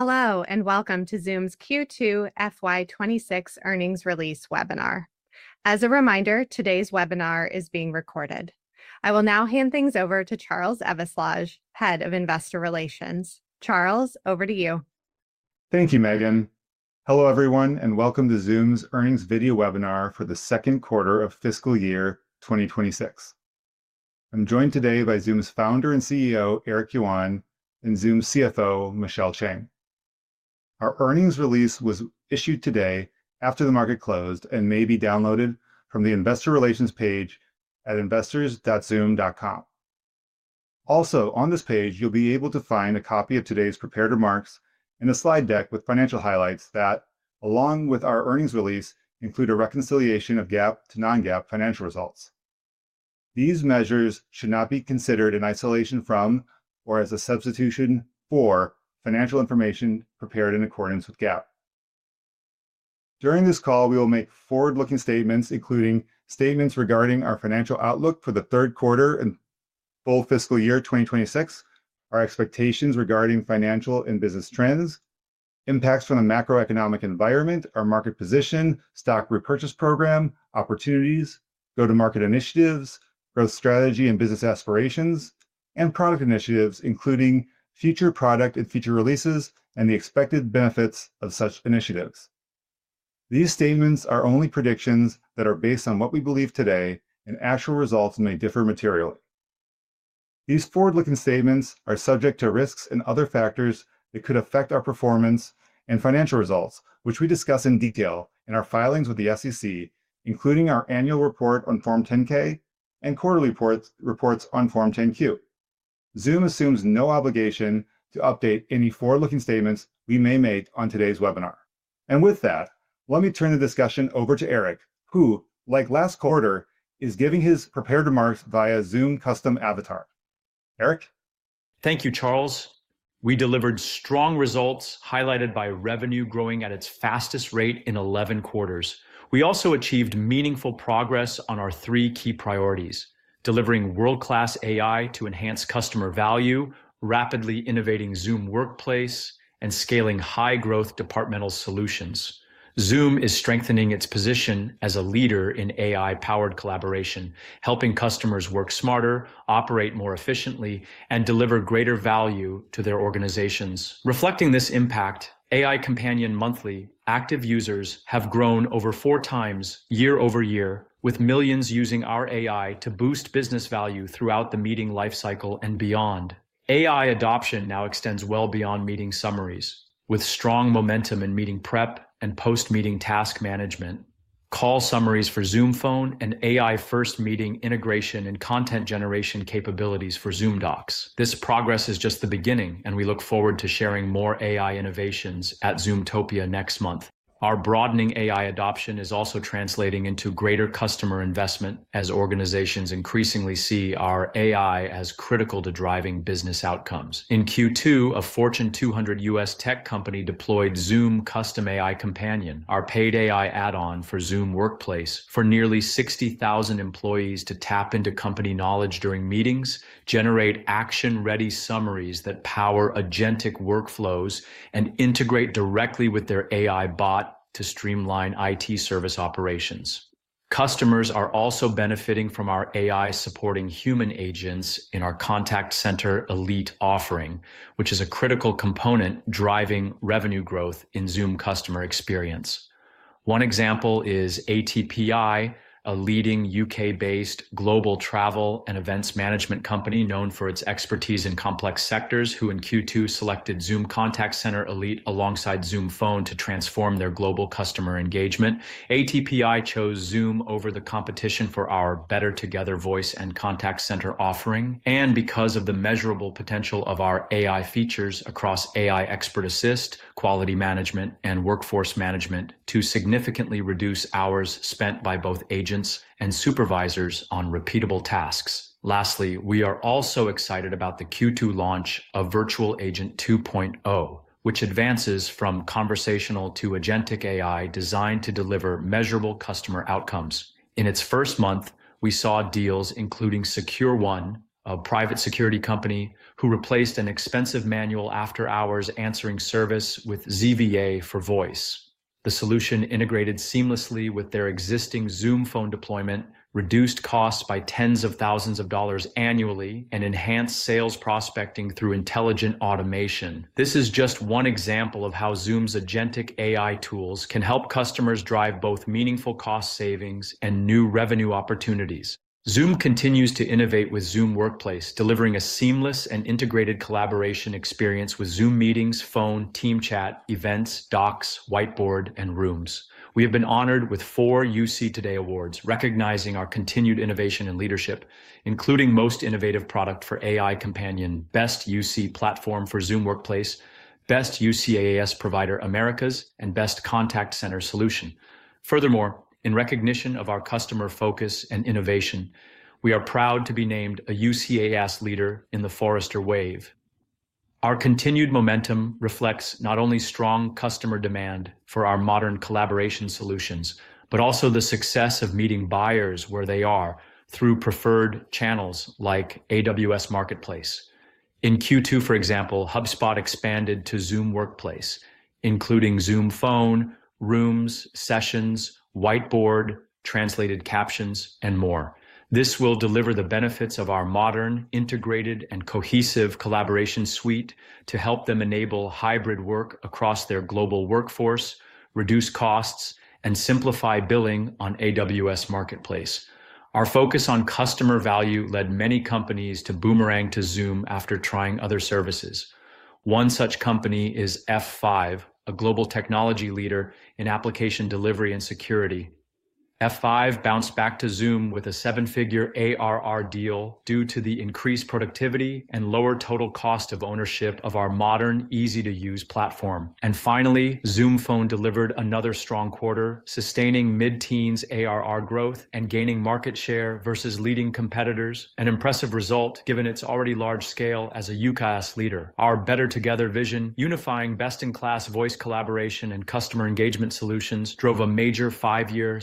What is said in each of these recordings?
Hello and welcome to Zoom's Q2 FY 2026 earnings release webinar. As a reminder, today's webinar is being recorded. I will now hand things over to Charles Eveslage, Head of Investor Relations. Charles, over to you. Thank you, Megan. Hello everyone and welcome to Zoom's earnings video webinar for the second quarter of fiscal year 2026. I'm joined today by Zoom's Founder and CEO, Eric Yuan, and Zoom's CFO, Michelle Chang. Our earnings release was issued today after the market closed and may be downloaded from the Investor Relations page at investors.zoom.com. Also, on this page, you'll be able to find a copy of today's prepared remarks and a slide deck with financial highlights that, along with our earnings release, include a reconciliation of GAAP to non-GAAP financial results. These measures should not be considered in isolation from or as a substitution for financial information prepared in accordance with GAAP. During this call, we will make forward-looking statements, including statements regarding our financial outlook for the third quarter and full fiscal year 2026, our expectations regarding financial and business trends, impacts from the macroeconomic environment, our market position, stock repurchase program, opportunities, go-to-market initiatives, growth strategy and business aspirations, and product initiatives, including future product and feature releases and the expected benefits of such initiatives. These statements are only predictions that are based on what we believe today, and actual results may differ materially. These forward-looking statements are subject to risks and other factors that could affect our performance and financial results, which we discuss in detail in our filings with the SEC, including our annual report on Form 10-K and quarterly reports on Form 10-Q. Zoom assumes no obligation to update any forward-looking statements we may make on today's webinar. With that, let me turn the discussion over to Eric, who, like last quarter, is giving his prepared remarks via Zoom custom avatar. Eric? Thank you, Charles. We delivered strong results, highlighted by revenue growing at its fastest rate in 11 quarters. We also achieved meaningful progress on our three key priorities: delivering world-class AI to enhance customer value, rapidly innovating Zoom Workplace, and scaling high-growth departmental solutions. Zoom is strengthening its position as a leader in AI-powered collaboration, helping customers work smarter, operate more efficiently, and deliver greater value to their organizations. Reflecting this impact, AI Companion monthly active users have grown over 4x year-over-year, with millions using our AI to boost business value throughout the meeting lifecycle and beyond. AI adoption now extends well beyond meeting summaries, with strong momentum in meeting prep and post-meeting task management, call summaries for Zoom Phone, and AI-first meeting integration and content generation capabilities for Zoom Docs. This progress is just the beginning, and we look forward to sharing more AI innovations at Zoomtopia next month. Our broadening AI adoption is also translating into greater customer investment as organizations increasingly see our AI as critical to driving business outcomes. In Q2, a Fortune 200 U.S. tech company deployed Zoom Custom AI Companion, our paid AI add-on for Zoom Workplace, for nearly 60,000 employees to tap into company knowledge during meetings, generate action-ready summaries that power agentic workflows, and integrate directly with their AI bot to streamline IT service operations. Customers are also benefiting from our AI-supporting human agents in our Contact Center Elite offering, which is a critical component driving revenue growth in Zoom customer experience. One example is ATPI, a leading U.K.-based global travel and events management company known for its expertise in complex sectors, who in Q2 selected Zoom Contact Center Elite alongside Zoom Phone to transform their global customer engagement. ATPI chose Zoom over the competition for our Better Together Voice and Contact Center offering, and because of the measurable potential of our AI features across AI Expert Assist, Quality Management, and Workforce Management, to significantly reduce hours spent by both agents and supervisors on repeatable tasks. Lastly, we are also excited about the Q2 launch of Virtual Agent 2.0, which advances from conversational to agentic AI designed to deliver measurable customer outcomes. In its first month, we saw deals including SecureOne, a private security company who replaced an expensive manual after-hours answering service with ZVA for voice. The solution integrated seamlessly with their existing Zoom Phone deployment, reduced costs by tens of thousands of dollars annually, and enhanced sales prospecting through intelligent automation. This is just one example of how Zoom's agentic AI tools can help customers drive both meaningful cost savings and new revenue opportunities. Zoom continues to innovate with Zoom Workplace, delivering a seamless and integrated collaboration experience with Zoom Meetings, Phone, Team Chat, Events, Docs, Whiteboard, and Rooms. We have been honored with four UC Today Awards, recognizing our continued innovation and leadership, including Most Innovative Product for AI Companion, Best UC Platform for Zoom Workplace, Best UCaaS Provider Americas, and Best Contact Center Solution. Furthermore, in recognition of our customer focus and innovation, we are proud to be named a UCaaS leader in the Forrester Wave. Our continued momentum reflects not only strong customer demand for our modern collaboration solutions, but also the success of meeting buyers where they are through preferred channels like AWS Marketplace. In Q2, for example, HubSpot expanded to Zoom Workplace, including Zoom Phone, Rooms, Sessions, Whiteboard, Translated Captions, and more. This will deliver the benefits of our modern, integrated, and cohesive collaboration suite to help them enable hybrid work across their global workforce, reduce costs, and simplify billing on AWS Marketplace. Our focus on customer value led many companies to boomerang to Zoom after trying other services. One such company is F5, a global technology leader in application delivery and security. F5 bounced back to Zoom with a seven-figure ARR deal due to the increased productivity and lower total cost of ownership of our modern, easy-to-use platform. Finally, Zoom Phone delivered another strong quarter, sustaining mid-teens ARR growth and gaining market share versus leading competitors, an impressive result given its already large scale as a UCaaS leader. Our Better Together vision, unifying best-in-class voice collaboration and customer engagement solutions, drove a major five-year,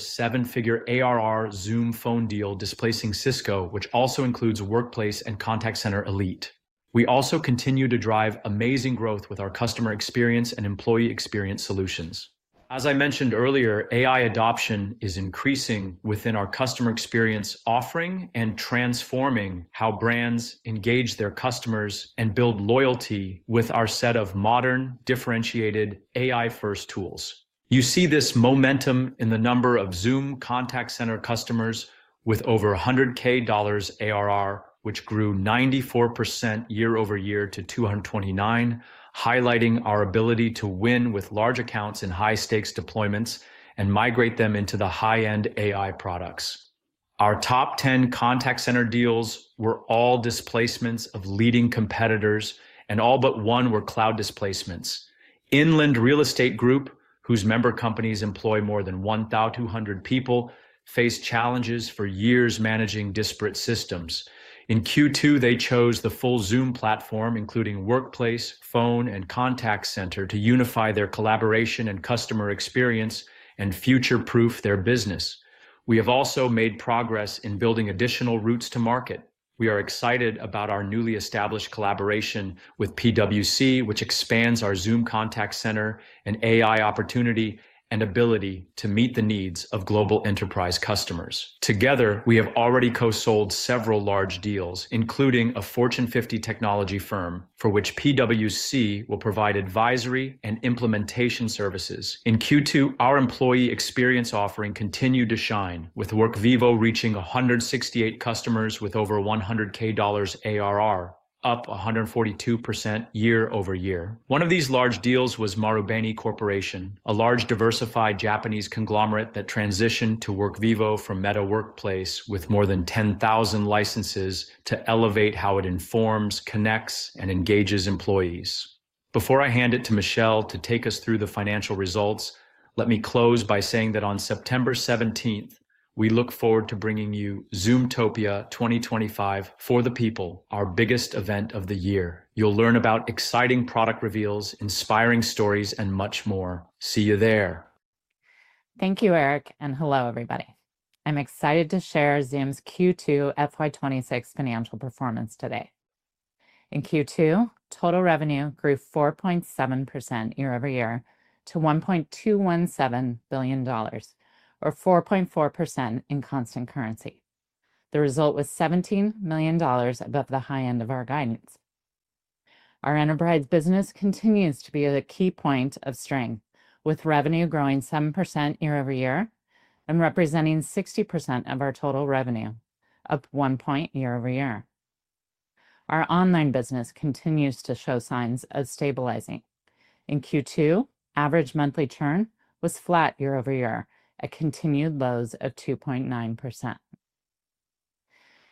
seven-figure ARR Zoom Phone deal, displacing Cisco, which also includes Workplace and Contact Center Elite. We also continue to drive amazing growth with our customer experience and employee experience solutions. As I mentioned earlier, AI adoption is increasing within our customer experience offering and transforming how brands engage their customers and build loyalty with our set of modern, differentiated AI-first tools. You see this momentum in the number of Zoom Contact Center customers with over $100,000 ARR, which grew 94% year over year to $229,000 highlighting our ability to win with large accounts in high-stakes deployments and migrate them into the high-end AI products. Our top 10 contact center deals were all displacements of leading competitors, and all but one were cloud displacements. Inland Real Estate Group, whose member companies employ more than 1,200 people, faced challenges for years managing disparate systems. In Q2, they chose the full Zoom platform, including Workplace, Phone, and Contact Center, to unify their collaboration and customer experience and future-proof their business. We have also made progress in building additional routes to market. We are excited about our newly established collaboration with PwC, which expands our Zoom Contact Center and AI opportunity and ability to meet the needs of global enterprise customers. Together, we have already co-sold several large deals, including a Fortune 50 technology firm for which PwC will provide advisory and implementation services. In Q2, our employee experience offering continued to shine, with Workvivo reaching 168 customers with over $100,000 ARR, up 142% year over year. One of these large deals was Marubeni Corporation, a large diversified Japanese conglomerate that transitioned to Workvivo from Meta Workplace, with more than 10,000 licenses, to elevate how it informs, connects, and engages employees. Before I hand it to Michelle to take us through the financial results, let me close by saying that on September 17th, we look forward to bringing you Zoomtopia 2025 for the people, our biggest event of the year. You'll learn about exciting product reveals, inspiring stories, and much more. See you there. Thank you, Eric, and hello everybody. I'm excited to share Zoom's Q2 FY 2026 financial performance today. In Q2, total revenue grew 4.7% year-over-year to $1.217 billion, or 4.4% in constant currency. The result was $17 million above the high end of our guidance. Our enterprise business continues to be the key point of strength, with revenue growing 7% year-over-year and representing 60% of our total revenue, up one point year-over-year. Our online business continues to show signs of stabilizing. In Q2, average monthly churn was flat year-over-year at continued lows of 2.9%.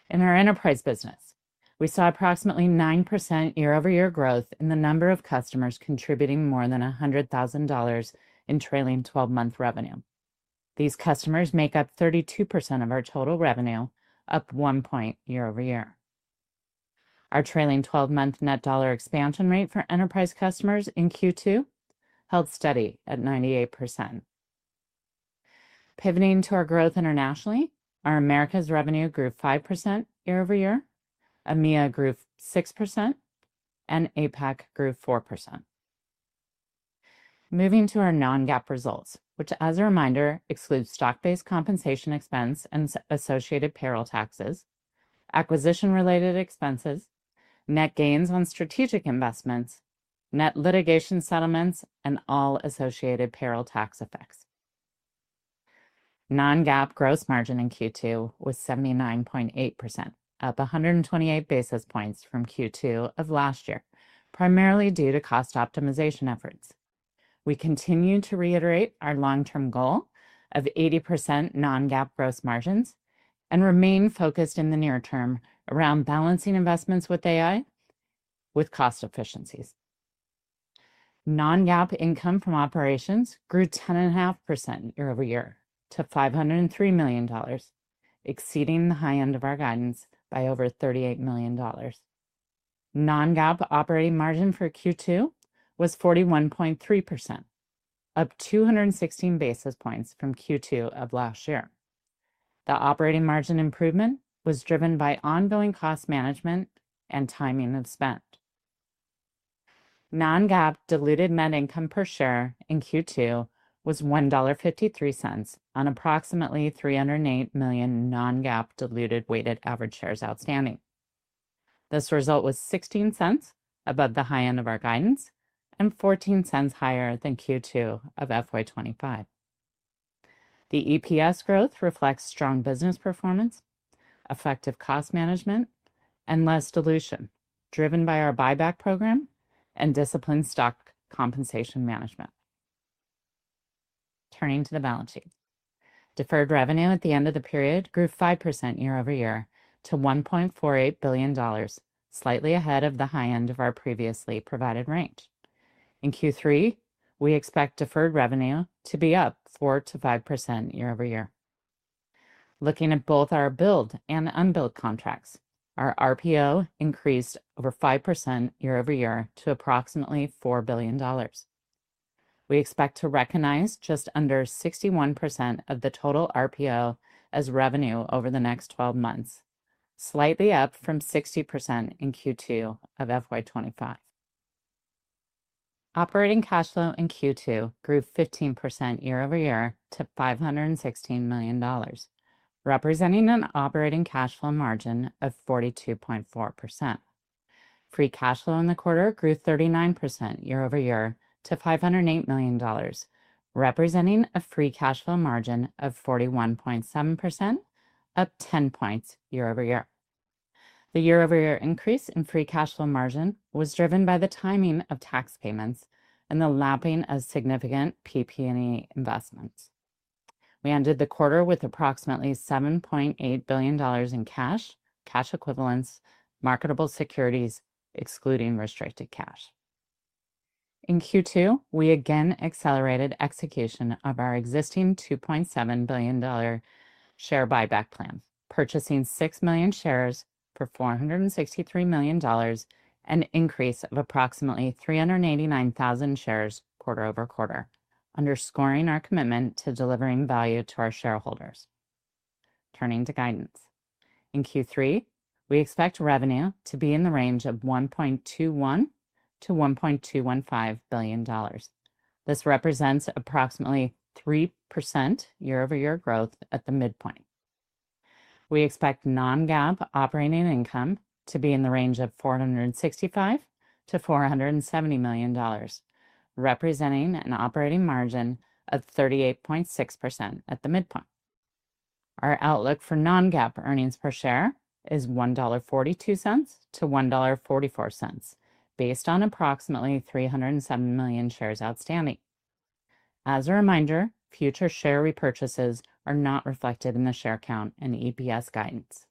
In our enterprise business, we saw approximately 9% year-over-year growth in the number of customers contributing more than $100,000 in trailing 12-month revenue. These customers make up 32% of our total revenue, up one point year-over-year. Our trailing 12-month net dollar expansion rate for enterprise customers in Q2 held steady at 98%. Pivoting to our growth internationally, our Americas revenue grew 5% year-over-year, EMEA grew 6%, and APAC grew 4%. Moving to our non-GAAP results, which as a reminder exclude stock-based compensation expense and associated payroll taxes, acquisition-related expenses, net gains on strategic investments, net litigation settlements, and all associated payroll tax effects. Non-GAAP gross margin in Q2 was 79.8%, up 128 basis points from Q2 of last year, primarily due to cost optimization efforts. We continue to reiterate our long-term goal of 80% non-GAAP gross margins and remain focused in the near term around balancing investments with AI with cost efficiencies. Non-GAAP income from operations grew 10.5% year-over-year to $503 million, exceeding the high end of our guidance by over $38 million. Non-GAAP operating margin for Q2 was 41.3%, up 216 basis points from Q2 of last year. The operating margin improvement was driven by ongoing cost management and timing of spend. Non-GAAP diluted net income per share in Q2 was $1.53 on approximately 308 million non-GAAP diluted weighted average shares outstanding. This result was $0.16 above the high end of our guidance and $0.14 higher than Q2 of FY 2025. The EPS growth reflects strong business performance, effective cost management, and less dilution driven by our buyback program and disciplined stock compensation management. Turning to the balance sheet, deferred revenue at the end of the period grew 5% year-over-year to $1.48 billion, slightly ahead of the high end of our previously provided range. In Q3, we expect deferred revenue to be up 4%-5% year-over-year. Looking at both our billed and unbilled contracts, our RPO increased over 5% year-over-year to approximately $4 billion. We expect to recognize just under 61% of the total RPO as revenue over the next 12 months, slightly up from 60% in Q2 of FY 2025. Operating cash flow in Q2 grew 15% year-over-year to $516 million, representing an operating cash flow margin of 42.4%. Free cash flow in the quarter grew 39% year-over-year to $508 million, representing a free cash flow margin of 41.7%, up 10 points year-over-year. The year-over-year increase in free cash flow margin was driven by the timing of tax payments and the lapping of significant PP&E investments. We ended the quarter with approximately $7.8 billion in cash, cash equivalents, marketable securities, excluding restricted cash. In Q2, we again accelerated execution of our existing $2.7 billion share buyback plan, purchasing 6 million shares for $463 million, an increase of approximately 389,000 shares quarter-over-quarter, underscoring our commitment to delivering value to our shareholders. Turning to guidance, in Q3, we expect revenue to be in the range of $1.21 billion-$1.215 billion. This represents approximately 3% year-over-year growth at the midpoint. We expect non-GAAP operating income to be in the range of $465 million-$470 million, representing an operating margin of 38.6% at the midpoint. Our outlook for non-GAAP earnings per share is $1.42-$1.44, based on approximately 307 million shares outstanding. As a reminder, future share repurchases are not reflected in the share count and EPS guidance.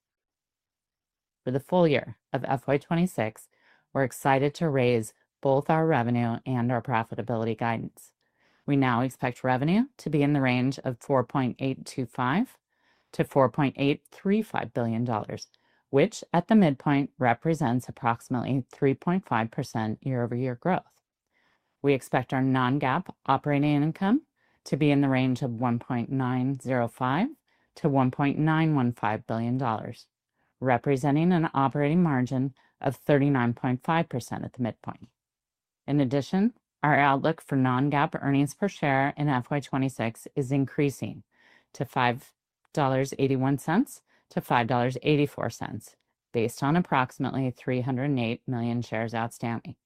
For the full year of FY 2026, we're excited to raise both our revenue and our profitability guidance. We now expect revenue to be in the range of $4.825 billion-$4.835 billion, which at the midpoint represents approximately 3.5% year-over-year growth. We expect our non-GAAP operating income to be in the range of $1.905 million-$1.915 billion, representing an operating margin of 39.5% at the midpoint. In addition, our outlook for non-GAAP earnings per share in FY 2026 is increasing to $5.81-$5.84, based on approximately 308 million shares outstanding.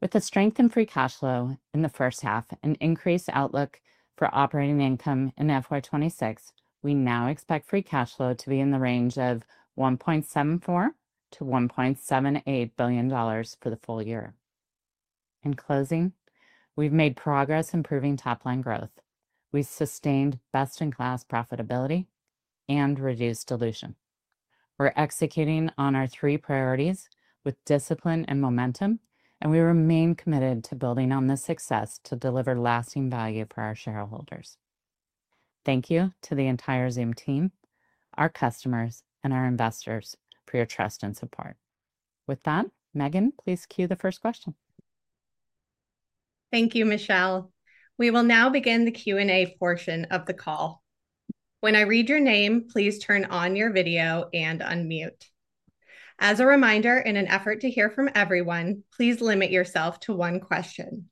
With the strength in free cash flow in the first half and increased outlook for operating income in FY 2026, we now expect free cash flow to be in the range of $1.74 billion-$1.78 billion for the full year. In closing, we've made progress improving top-line growth. We sustained best-in-class profitability and reduced dilution. We're executing on our three priorities with discipline and momentum, and we remain committed to building on this success to deliver lasting value for our shareholders. Thank you to the entire Zoom team, our customers, and our investors for your trust and support. With that, Megan, please cue the first question. Thank you, Michelle. We will now begin the Q&A portion of the call. When I read your name, please turn on your video and unmute. As a reminder, in an effort to hear from everyone, please limit yourself to one question.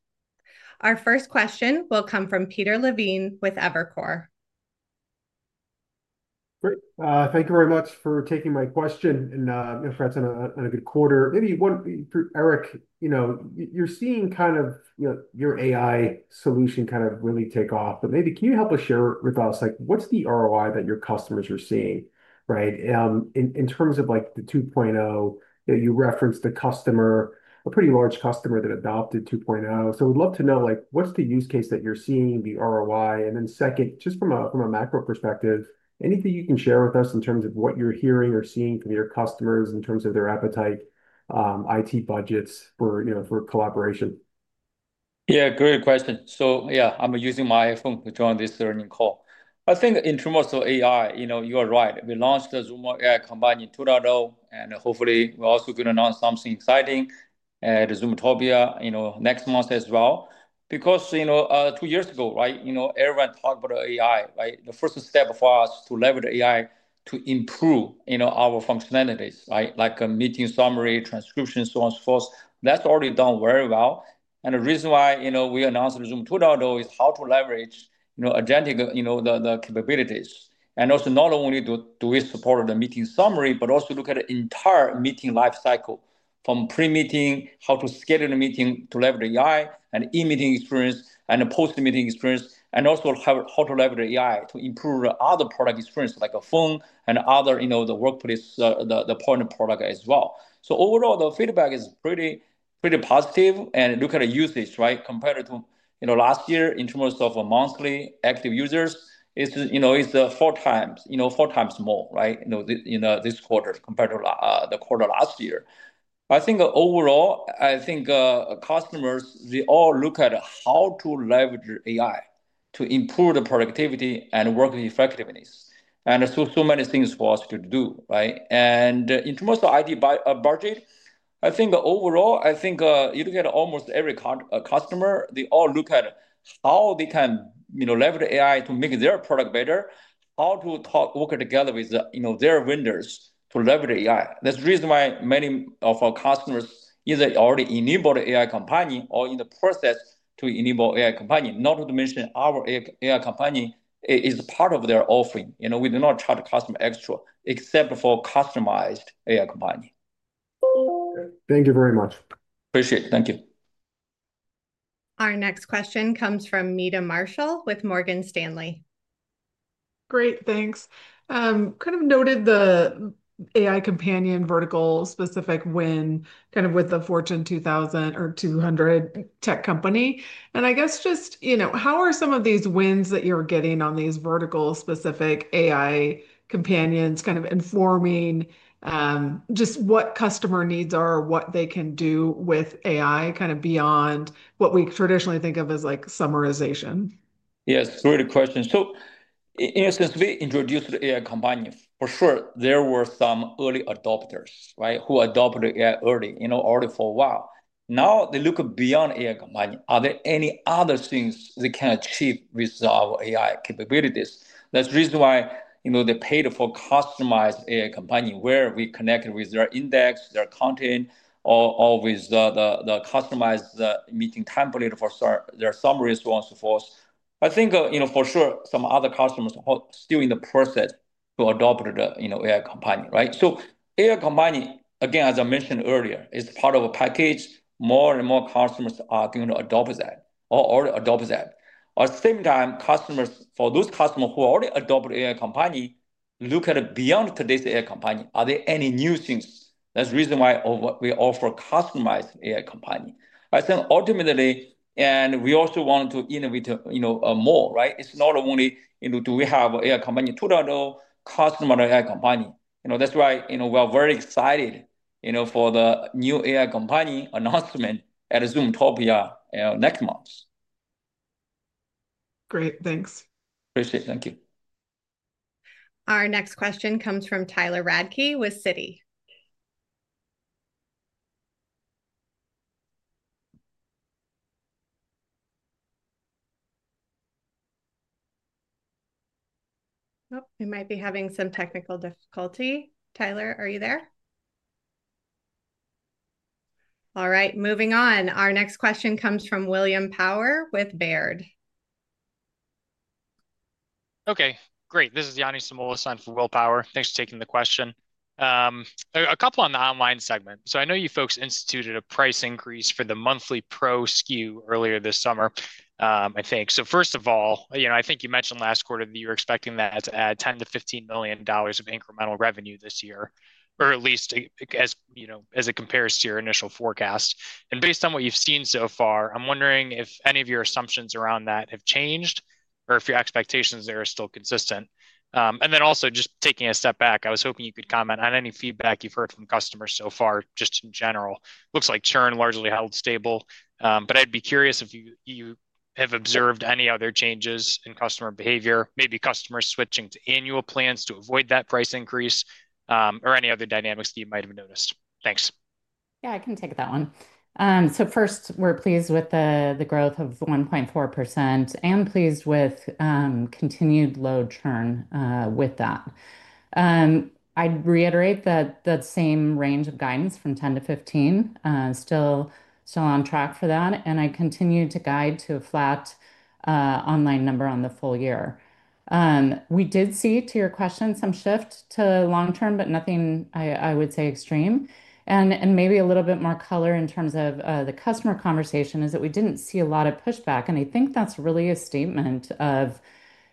Our first question will come from Peter Levine with Evercore. Great. Thank you very much for taking my question. I'm impressed on a good quarter. Eric, you're seeing your AI solution really take off. Can you help us share with us, what's the ROI that your customers are seeing, right? In terms of the 2.0, you referenced a customer, a pretty large customer that adopted 2.0. We'd love to know, what's the use case that you're seeing, the ROI? Second, just from a macro perspective, anything you can share with us in terms of what you're hearing or seeing from your customers in terms of their appetite, IT budgets for collaboration? Yeah, great question. Yeah, I'm using my iPhone to join this earnings call. I think in terms of AI, you are right. We launched the Zoom AI Companion 2.0, and hopefully we're also going to launch something exciting at Zoomtopia next month as well. Two years ago, everyone talked about AI. The first step for us was to leverage AI to improve our functionalities, like meeting summary, transcription, and so on and so forth. That's already done very well. The reason why we announced the Zoom 2.0 is how to leverage agentic capabilities. Also, not only do we support the meeting summary, but we also look at the entire meeting lifecycle from pre-meeting, how to schedule the meeting to leverage AI, in-meeting experience, post-meeting experience, and also how to leverage AI to improve the other product experience, like Phone and other workplace point products as well. Overall, the feedback is pretty positive. Looking at the usage compared to last year, in terms of monthly active users, it's 4x more in this quarter compared to the quarter last year. Overall, customers all look at how to leverage AI to improve productivity and working effectiveness. There are so many things for us to do. In terms of IT budget, overall, almost every customer looks at how they can leverage AI to make their product better, how to work together with their vendors to leverage AI. That's the reason why many of our customers have either already enabled the AI Companion or are in the process to enable AI Companion, not to mention our AI Companion is part of their offering. We do not charge customers extra except for Custom AI Companion. Thank you very much. Appreciate it. Thank you. Our next question comes from Meta Marshall with Morgan Stanley. Great, thanks. Noted the AI Companion vertical-specific win with the Fortune 200 tech company. I guess just, you know, how are some of these wins that you're getting on these vertical-specific AI Companions informing what customer needs are, what they can do with AI beyond what we traditionally think of as summarization? Yes, very good question. In essence, we introduced the AI Companion. For sure, there were some early adopters who adopted the AI early for a while. Now they look beyond AI Companion. Are there any other things they can achieve with our AI capabilities? That's the reason why they paid for Custom AI Companion, where we connect with their index, their content, or with the customized meeting template for their summaries and so on and so forth. I think for sure some other customers are still in the process to adopt the AI Companion. AI Companion, again, as I mentioned earlier, is part of a package. More and more customers are going to adopt that or already adopt that. At the same time, for those customers who already adopted AI Companion, they look at it beyond today's AI Companion. Are there any new things? That's the reason why we offer Custom AI Companion. I think ultimately, we also want to innovate more. It's not only do we have an AI Companion 2.0, Custom AI Companion. That's why we are very excited for the new AI Companion announcement at Zoomtopia next month. Great, thanks. Appreciate it. Thank you. Our next question comes from Tyler Radke with Citi. Oh, we might be having some technical difficulty. Tyler, are you there? All right, moving on. Our next question comes from William Power with Baird. Okay, great. This is Yanni Somolosan from Will Power. Thanks for taking the question. A couple on the online segment. I know you folks instituted a price increase for the monthly Pro SKU earlier this summer, I think. First of all, I think you mentioned last quarter that you're expecting that to add $10 million-$15 million of incremental revenue this year, or at least as it compares to your initial forecast. Based on what you've seen so far, I'm wondering if any of your assumptions around that have changed or if your expectations there are still consistent. Also, just taking a step back, I was hoping you could comment on any feedback you've heard from customers so far, just in general. Looks like churn largely held stable. I'd be curious if you have observed any other changes in customer behavior, maybe customers switching to annual plans to avoid that price increase, or any other dynamics that you might have noticed. Thanks. Yeah, I can take that one. First, we're pleased with the growth of 1.4% and pleased with continued low churn with that. I'd reiterate that the same range of guidance from 10%-15% is still on track for that. I continue to guide to a flat online number on the full year. We did see, to your question, some shift to long-term, but nothing I would say is extreme. Maybe a little bit more color in terms of the customer conversation is that we didn't see a lot of pushback. I think that's really a statement of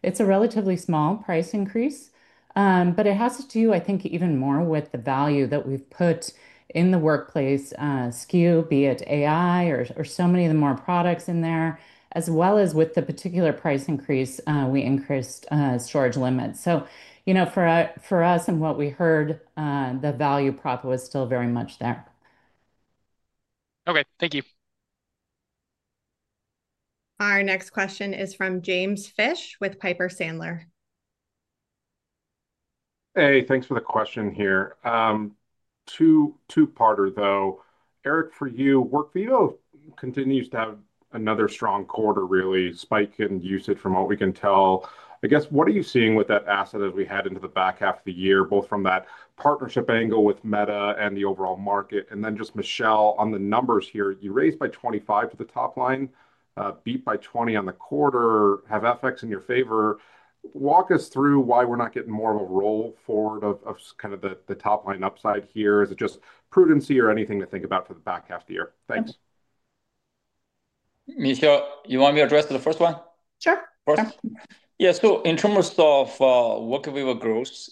it's a relatively small price increase, but it has to do, I think, even more with the value that we've put in the Workplace SKU, be it AI or so many of the more products in there. As well as with the particular price increase, we increased storage limits. For us and what we heard, the value prop was still very much there. Okay, thank you. Our next question is from James Fish with Piper Sandler. Hey, thanks for the question here. Two-parter though. Eric, for you, Workvivo continues to have another strong quarter, really spike in usage from what we can tell. I guess, what are you seeing with that asset that we had into the back half of the year, both from that partnership angle with Meta and the overall market? Michelle, on the numbers here, you raised by $25 million to the top line, beat by $20 million on the quarter, have FX in your favor. Walk us through why we're not getting more of a roll forward of kind of the top line upside here. Is it just prudency or anything to think about for the back half of the year? Thanks. Michelle, you want me to address the first one? Sure. Yeah, so in terms of Workvivo growth,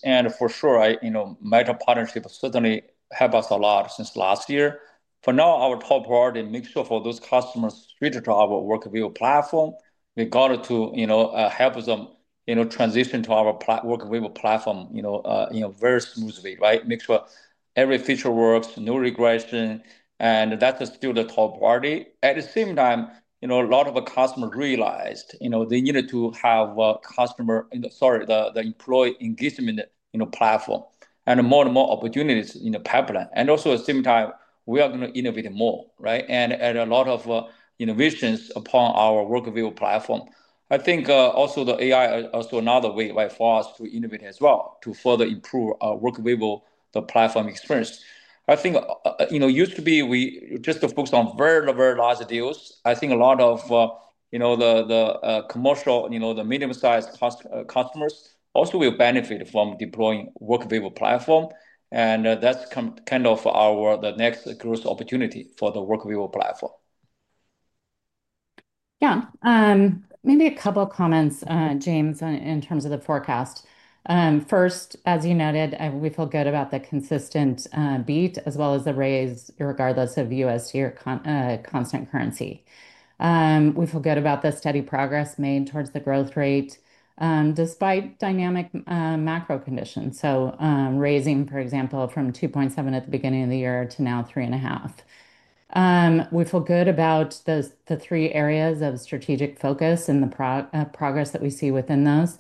Meta partnerships certainly help us a lot since last year. For now, our top priority is to make sure for those customers to switch to our Workvivo platform in order to help them transition to our Workvivo platform very smoothly, right? Make sure every feature works, no regression, and that's still the top priority. At the same time, a lot of customers realized they needed to have an employee engagement platform and more and more opportunities in the pipeline. Also at the same time, we are going to innovate more, right? Add a lot of innovations upon our Workvivo platform. I think also the AI is also another way for us to innovate as well to further improve our Workvivo platform experience. I think it used to be we just focused on very, very large deals. I think a lot of the commercial, the medium-sized customers also will benefit from deploying the Workvivo platform. That's kind of our next growth opportunity for the Workvivo platform. Yeah, maybe a couple comments, James, in terms of the forecast. First, as you noted, we feel good about the consistent beat as well as the raise regardless of USD or constant currency. We feel good about the steady progress made towards the growth rate despite dynamic macro conditions. For example, raising from $2.7 million at the beginning of the year to now $3.5 million. We feel good about the three areas of strategic focus and the progress that we see within those.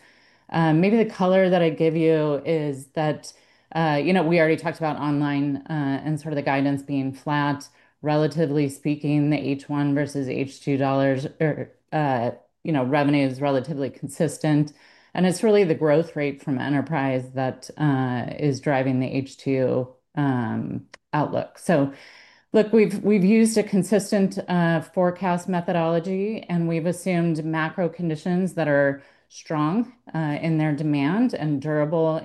The color that I give you is that we already talked about online and sort of the guidance being flat. Relatively speaking, the H1 versus H2 dollars, revenue is relatively consistent. It's really the growth rate from enterprise that is driving the H2 outlook. We've used a consistent forecast methodology, and we've assumed macro conditions that are strong in their demand and durable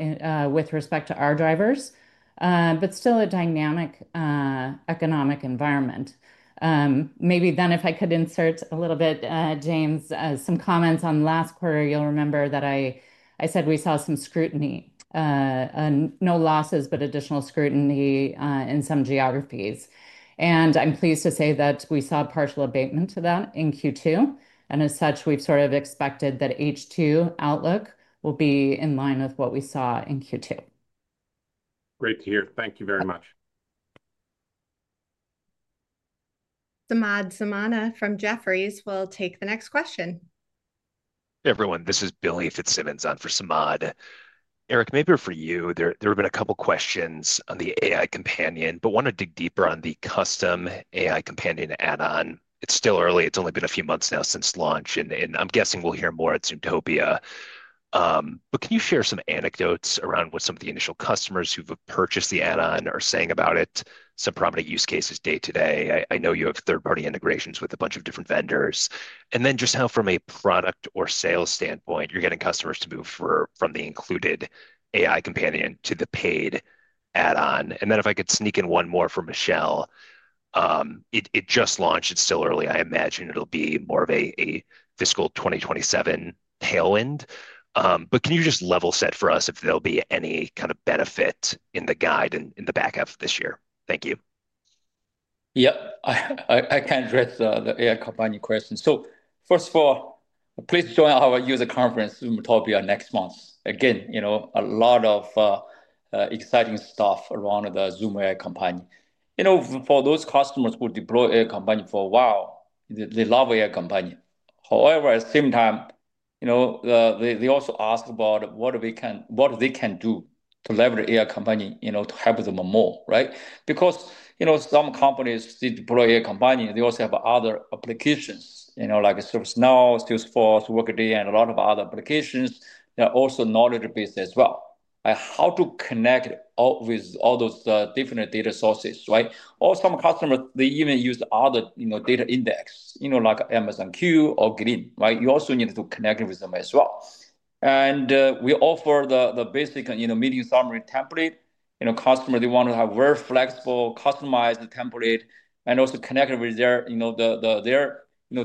with respect to our drivers, but still a dynamic economic environment. If I could insert a little bit, James, some comments on last quarter, you'll remember that I said we saw some scrutiny, no losses, but additional scrutiny in some geographies. I'm pleased to say that we saw partial abatement to that in Q2. As such, we've expected that H2 outlook will be in line with what we saw in Q2. Great to hear. Thank you very much. Samad Samana from Jefferies will take the next question. Hey everyone, this is Billy Fitzsimmons on for Samad. Eric, maybe for you, there have been a couple of questions on the AI Companion, but want to dig deeper on the Custom AI Companion add-on. It's still early. It's only been a few months now since launch, and I'm guessing we'll hear more at Zoomtopia. Can you share some anecdotes around what some of the initial customers who've purchased the add-on are saying about it? Some prominent use cases day-to-day. I know you have third-party integrations with a bunch of different vendors. From a product or sales standpoint, you're getting customers to move from the included AI Companion to the paid add-on. If I could sneak in one more for Michelle, it just launched. It's still early. I imagine it'll be more of a fiscal 2027 tailwind. Can you just level set for us if there'll be any kind of benefit in the guide in the back half of this year? Thank you. Yeah, I can address the AI Companion question. First of all, please join our user conference Zoomtopia next month. Again, a lot of exciting stuff around the Zoom AI Companion. For those customers who deploy AI Companions for a while, they love AI Companions. However, at the same time, they also ask about what they can do to leverage AI Companions to help them more, right? Because some companies deploy AI Companions, they also have other applications like ServiceNow, Salesforce, Workday, and a lot of other applications. They're also knowledge-based as well. How to connect with all those different data sources, right? Some customers even use other data index, like Amazon Q or Glean, right? You also need to connect with them as well. We offer the basic meeting summary template. Customers want to have a very flexible, customized template and also connect with their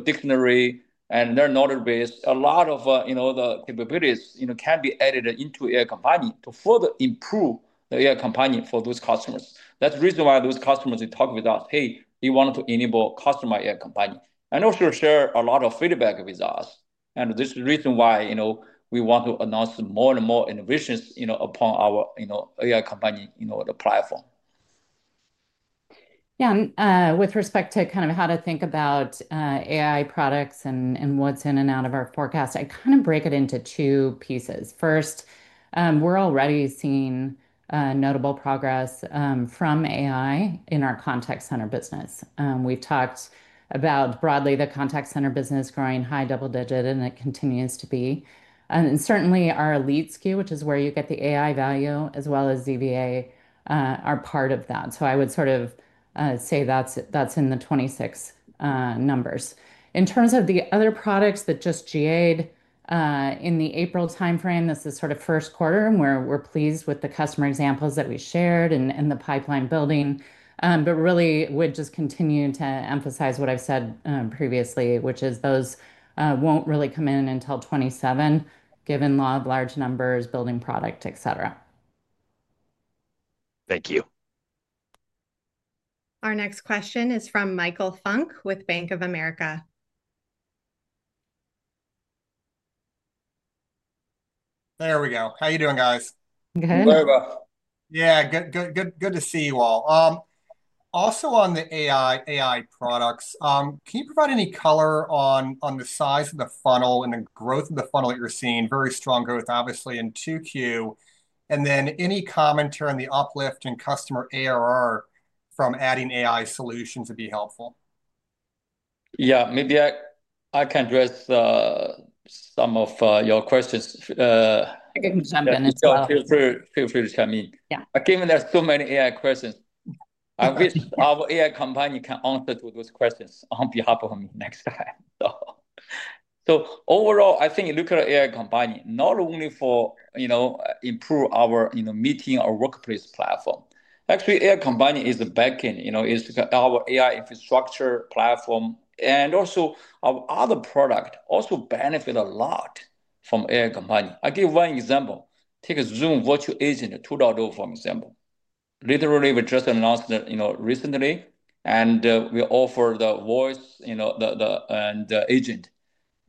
dictionary and their knowledge base. A lot of the capabilities can be added into AI Companion to further improve the AI Companion for those customers. That's the reason why those customers talk with us, hey, they want to enable customized AI Companion and also share a lot of feedback with us. This is the reason why we want to announce more and more innovations upon our AI Companion, the platform. Yeah, with respect to kind of how to think about AI products and what's in and out of our forecast, I kind of break it into two pieces. First, we're already seeing notable progress from AI in our contact center business. We talked about broadly the contact center business growing high double digit, and it continues to be. Certainly, our Elite SKU, which is where you get the AI value, as well as ZVA, are part of that. I would sort of say that's in the 2026 numbers. In terms of the other products that just [GA'd] in the April timeframe, this is sort of first quarter where we're pleased with the customer examples that we shared and the pipeline building. I really would just continue to emphasize what I've said previously, which is those won't really come in until 2027, given law of large numbers, building product, etc. Thank you. Our next question is from Michael Funk with Bank of America. There we go. How you doing, guys? Very well. Yeah, good to see you all. Also, on the AI products, can you provide any color on the size of the funnel and the growth of the funnel that you're seeing? Very strong growth, obviously, in 2Q. Any commentary on the uplift in customer ARR from adding AI solutions would be helpful. Yeah, maybe I can address some of your questions. I can jump in as well. Feel free to chime in. Yeah. Given there's too many AI questions, I wish our AI Companion can answer those questions on behalf of me next time. Overall, I think looking at AI Companion, not only for improving our meeting or workplace platform, actually, AI Companion is the backend, is our AI infrastructure platform. Our other products also benefit a lot from AI Companion. I'll give one example. Take Zoom Virtual Agent 2.0, for example. Literally, we just announced it recently. We offer the voice and the agent,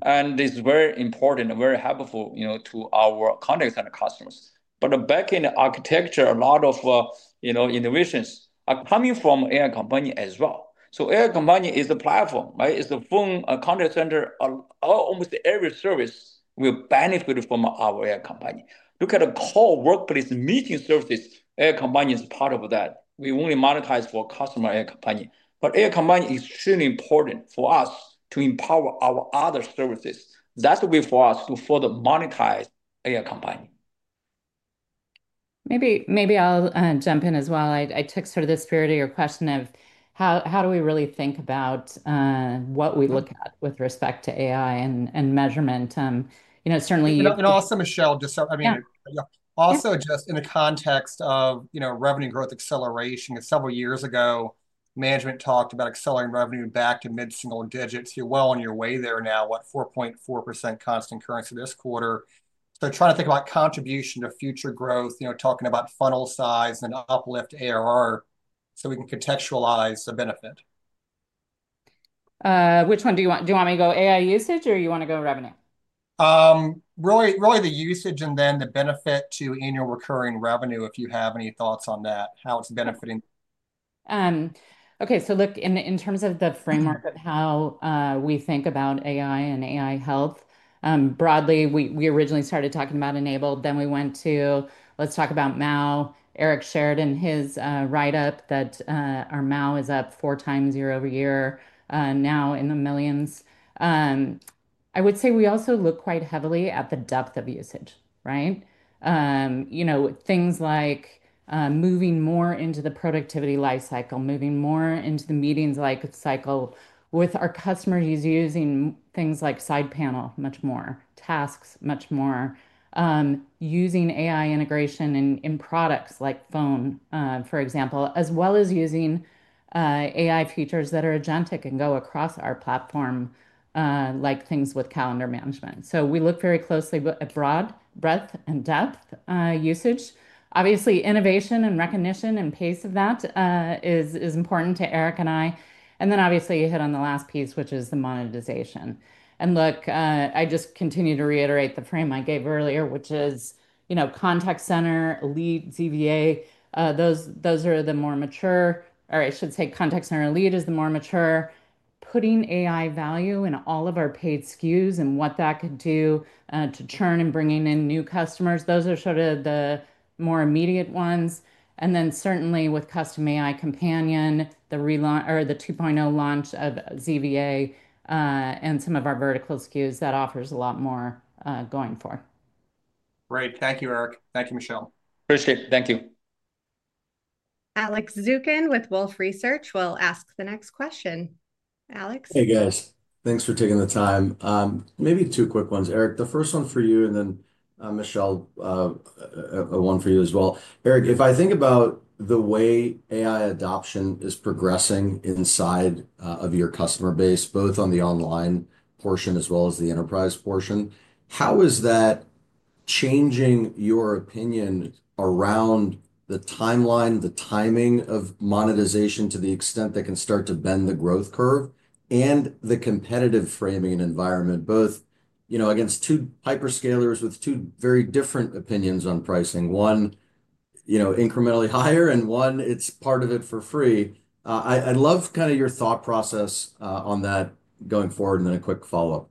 and it's very important and very helpful to our contact center customers. The backend architecture, a lot of innovations are coming from AI Companion as well. AI Companion is the platform, right? It's the phone, contact center, almost every service will benefit from our AI Companion. Look at the core workplace meeting services. AI Companion is part of that. We only monetize for Custom AI Companion, but AI Companion is extremely important for us to empower our other services. That's the way for us to further monetize AI Companion. Maybe I'll jump in as well. I took sort of the spirit of your question of how do we really think about what we look at with respect to AI and measurement. Certainly. Michelle, just in the context of revenue growth acceleration, several years ago, management talked about accelerating revenue back to mid-single digits. You're well on your way there now, 4.4% constant currency this quarter. Trying to think about contribution to future growth, talking about funnel size and uplift ARR so we can contextualize the benefit. Which one do you want? Do you want me to go AI usage, or do you want to go revenue? The usage and then the benefit to annual recurring revenue, if you have any thoughts on that, how it's benefiting. Okay, so look, in terms of the framework, how we think about AI and AI health, broadly, we originally started talking about enabled. Then we went to, let's talk about MAO. Eric shared in his write-up that our MAO is up 4x year-over-year, now in the millions. I would say we also look quite heavily at the depth of usage, right? You know, things like moving more into the productivity lifecycle, moving more into the meetings lifecycle with our customers using things like side panel much more, tasks much more, using AI integration in products like Phone, for example, as well as using AI features that are agentic and go across our platform, like things with calendar management. We look very closely at broad breadth and depth usage. Obviously, innovation and recognition and pace of that is important to Eric and I. You hit on the last piece, which is the monetization. I just continue to reiterate the frame I gave earlier, which is, you know, Contact Center Elite, ZVA, those are the more mature, or I should say Contact Center Elite is the more mature. Putting AI value in all of our paid SKUs and what that could do to churn and bringing in new customers, those are sort of the more immediate ones. Certainly with Custom AI Companion, the 2.0 launch of ZVA and some of our vertical SKUs, that offers a lot more going forward. Great, thank you, Eric. Thank you, Michelle. Appreciate it, thank you. Alex Zukin with Wolfe Research will ask the next question. Alex. Hey guys, thanks for taking the time. Maybe two quick ones, Eric. The first one for you, and then Michelle, one for you as well. Eric, if I think about the way AI adoption is progressing inside of your customer base, both on the online portion as well as the enterprise portion, how is that changing your opinion around the timeline, the timing of monetization to the extent that can start to bend the growth curve and the competitive framing and environment, both against two hyperscalers with two very different opinions on pricing? One, incrementally higher, and one, it's part of it for free. I'd love kind of your thought process on that going forward, and then a quick follow-up.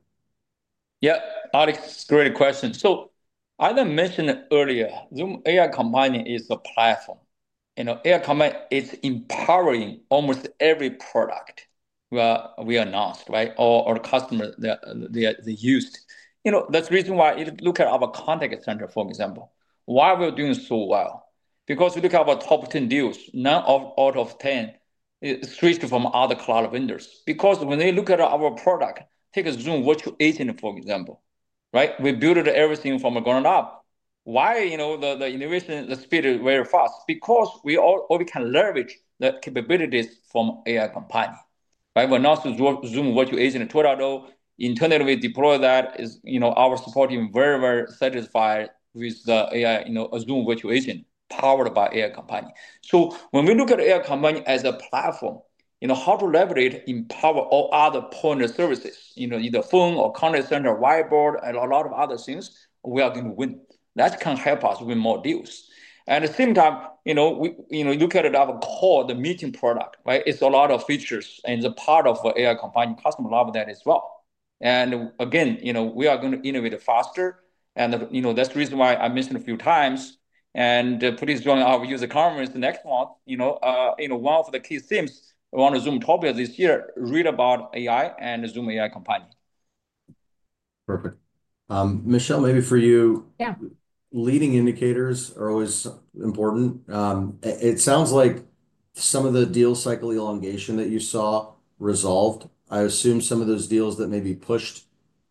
Yeah, Alex, great question. As I mentioned earlier, Zoom AI Companion is a platform. AI Companion is empowering almost every product we announced, right? Or the customers that they used. That's the reason why you look at our contact center, for example. Why are we doing so well? Because we look at our top 10 deals. None of our top 10 switched from other cloud vendors. When they look at our product, take a Zoom Virtual Agent, for example, right? We build everything from the ground up. The innovation, the speed is very fast because we all can leverage the capabilities from AI Companion. We announced Zoom Virtual Agent in 2012. Internally, we deploy that. Our support team is very, very satisfied with the AI, a Zoom Virtual Agent powered by AI Companion. When we look at AI Companion as a platform, how to leverage it, empower all other point of services, either phone or contact center, whiteboard, and a lot of other things, we are going to win. That can help us win more deals. At the same time, you look at it as a core of the meeting product, right? It's a lot of features, and it's a part of AI Companion. Customers love that as well. Again, we are going to innovate faster. That's the reason why I mentioned a few times. Please join our user conference next month. One of the key themes on the Zoomtopia this year is about AI and the Zoom AI Companion. Perfect. Michelle, maybe for you, yeah, leading indicators are always important. It sounds like some of the deal cycle elongation that you saw resolved. I assume some of those deals that may be pushed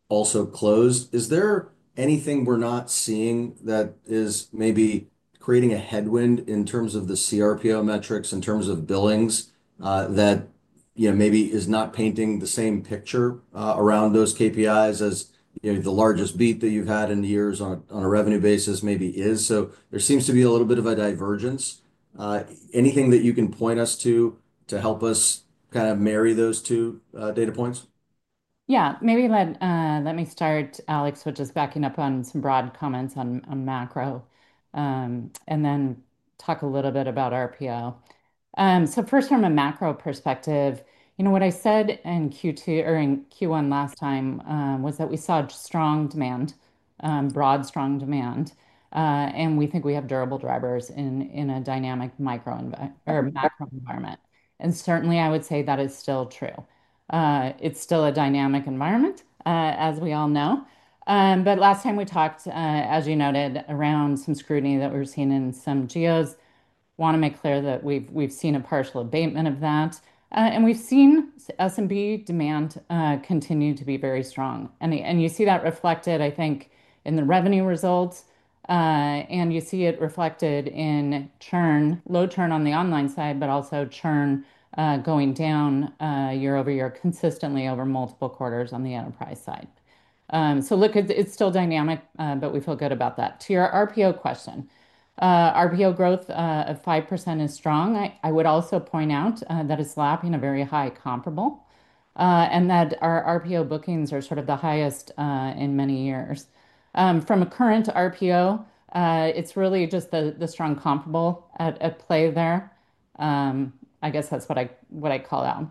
also closed. Is there anything we're not seeing that is maybe creating a headwind in terms of the CRPL metrics, in terms of billings, that maybe is not painting the same picture around those KPIs as the largest beat that you've had in the years on a revenue basis maybe is? There seems to be a little bit of a divergence. Anything that you can point us to to help us kind of marry those two data points? Yeah, maybe let me start, Alex, with just backing up on some broad comments on macro, and then talk a little bit about RPO. First, from a macro perspective, you know, what I said in Q1 last time, was that we saw strong demand, broad strong demand, and we think we have durable drivers in a dynamic macro environment. Certainly, I would say that is still true. It's still a dynamic environment, as we all know. Last time we talked, as you noted, around some scrutiny that we're seeing in some geos. Want to make clear that we've seen a partial abatement of that. We've seen SMB demand continue to be very strong. You see that reflected, I think, in the revenue results, and you see it reflected in churn, low churn on the online side, but also churn going down year over year, consistently over multiple quarters on the enterprise side. Look, it's still dynamic, but we feel good about that. To your RPO question, RPO growth of 5% is strong. I would also point out that it's lapping a very high comparable, and that our RPO bookings are sort of the highest in many years. From a current RPO, it's really just the strong comparable at play there. I guess that's what I call out.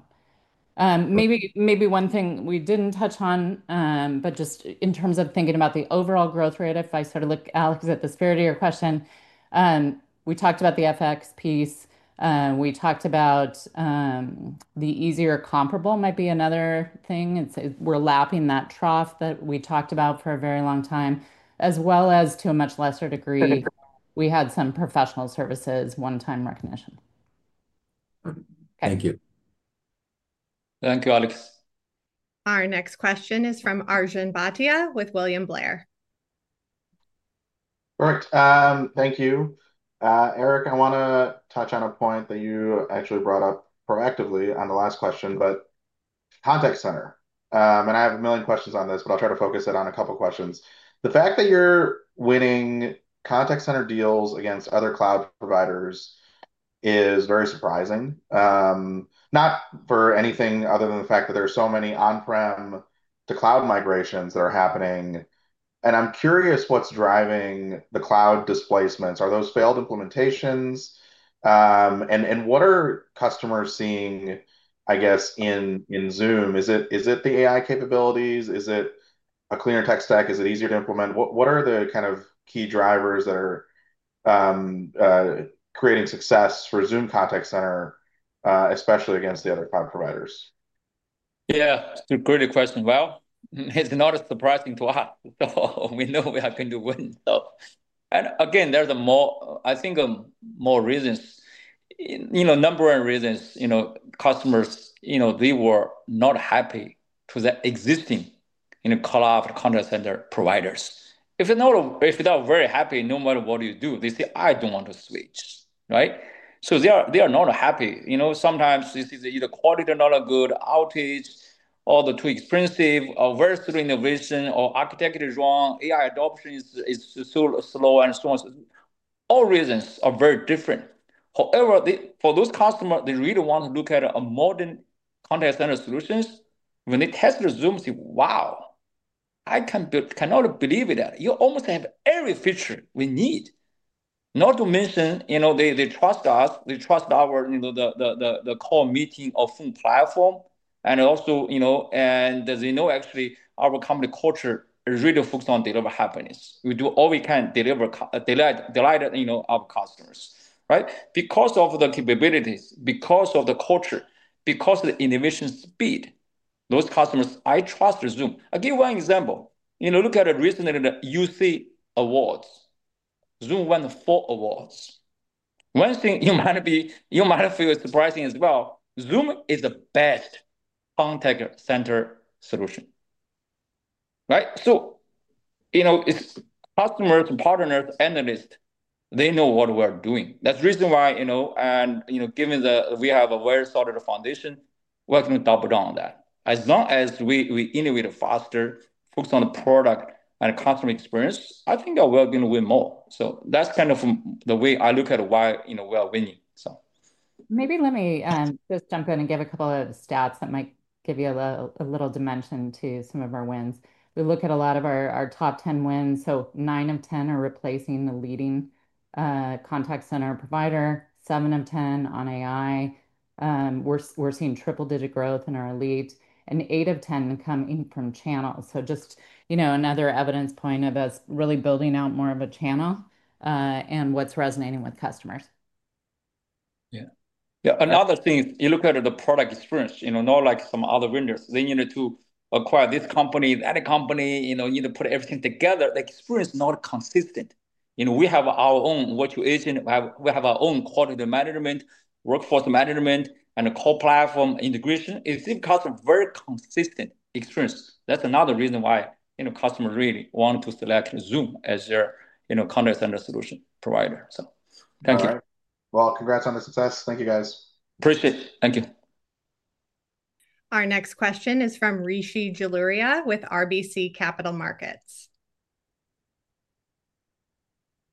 Maybe one thing we didn't touch on, but just in terms of thinking about the overall growth rate, if I sort of look, Alex, at the spirit of your question, we talked about the FX piece. We talked about the easier comparable might be another thing. We're lapping that trough that we talked about for a very long time, as well as to a much lesser degree, we had some professional services, one-time recognition. Thank you. Thank you, Alex. Our next question is from Arjun Bhatia with William Blair. All right, thank you. Eric, I want to touch on a point that you actually brought up proactively on the last question, but contact center, and I have a million questions on this, but I'll try to focus it on a couple of questions. The fact that you're winning contact center deals against other cloud providers is very surprising, not for anything other than the fact that there are so many on-prem to cloud migrations that are happening. I'm curious what's driving the cloud displacements. Are those failed implementations? What are customers seeing, I guess, in Zoom? Is it the AI capabilities? Is it a cleaner tech stack? Is it easier to implement? What are the kind of key drivers that are creating success for Zoom Contact Center, especially against the other cloud providers? Yeah, it's a great question. It's not surprising to us. We know we are going to win. There's more, I think, more reasons. Number one reason, customers, you know, they were not happy with the existing cloud contact center providers. If they're not very happy, no matter what you do, they say, "I don't want to switch," right? They are not happy. Sometimes this is either quality is not good, outage, or too expensive, or very slow innovation, or architecture is wrong, AI adoption is so slow, and so on. All reasons are very different. However, for those customers, they really want to look at modern contact center solutions. When they test Zoom, they say, "Wow, I cannot believe that you almost have every feature we need." Not to mention, they trust us. They trust our core meeting of Zoom platform. They know actually our company culture is really focused on delivering happiness. We do all we can to delight our customers, right? Because of the capabilities, because of the culture, because of the innovation speed, those customers trust Zoom. I'll give one example. Look at recently the UC Awards. Zoom won four awards. One thing you might feel surprised as well, Zoom is the best contact center solution, right? Customers, partners, analysts, they know what we're doing. That's the reason why, given that we have a very solid foundation, we're going to double down on that. As long as we innovate faster, focus on the product and the customer experience, I think we're going to win more. That's kind of the way I look at why we are winning. Let me just jump in and give a couple of the stats that might give you a little dimension to some of our wins. We look at a lot of our top 10 wins, 9/10 are replacing the leading contact center provider, 7/10 on AI. We're seeing triple-digit growth in our elite, 8/10 come in from channel. Just, you know, another evidence point of us really building out more of a channel and what's resonating with customers. Yeah, another thing, you look at the product experience, you know, not like some other vendors. They needed to acquire this company, that company, you know, need to put everything together. The experience is not consistent. You know, we have our own virtual agent. We have our own quality management, workforce management, and core platform integration. It seems to have a very consistent experience. That's another reason why, you know, customers really want to select Zoom as their, you know, contact center solution provider. Thank you. Congrats on the success. Thank you, guys. Appreciate it. Thank you. Our next question is from Rishi Jaluria with RBC Capital Markets.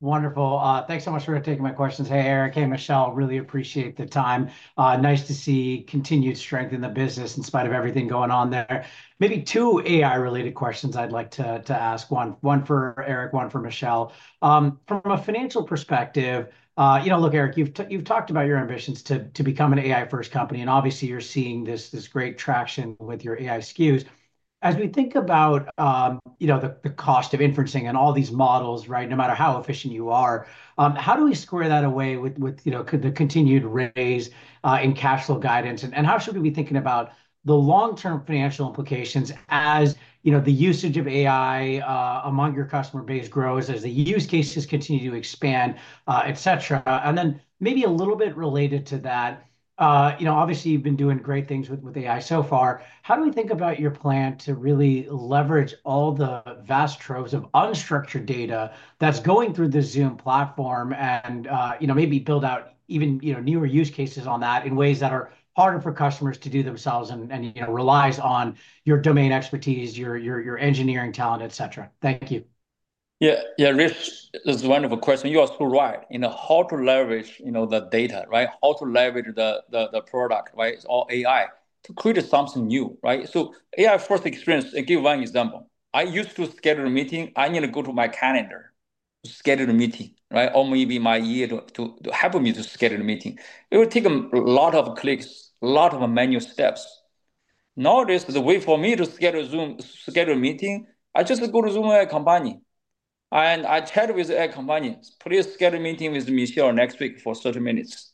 Wonderful. Thanks so much for taking my questions. Hey, Eric. Hey, Michelle. Really appreciate the time. Nice to see continued strength in the business in spite of everything going on there. Maybe two AI-related questions I'd like to ask. One for Eric, one for Michelle. From a financial perspective, you know, look, Eric, you've talked about your ambitions to become an AI-first company, and obviously you're seeing this great traction with your AI SKUs. As we think about, you know, the cost of inferencing and all these models, right, no matter how efficient you are, how do we square that away with, you know, the continued raise in cash flow guidance? How should we be thinking about the long-term financial implications as, you know, the usage of AI among your customer base grows as the use cases continue to expand, etc.? Maybe a little bit related to that, you know, obviously you've been doing great things with AI so far. How do we think about your plan to really leverage all the vast troves of unstructured data that's going through the Zoom platform and, you know, maybe build out even, you know, newer use cases on that in ways that are harder for customers to do themselves and, you know, relies on your domain expertise, your engineering talent, etc.? Thank you. Yeah, this is a wonderful question. You are so right. You know, how to leverage the data, right? How to leverage the product, right? It's all AI to create something new, right? So AI-first experience, I'll give one example. I used to schedule a meeting. I need to go to my calendar to schedule a meeting, right? Or maybe my year to help me to schedule a meeting. It would take a lot of clicks, a lot of manual steps. Nowadays, the way for me to schedule a Zoom meeting, I just go to Zoom AI Companion, and I chat with the AI Companion, please schedule a meeting with Michelle next week for 30 minutes.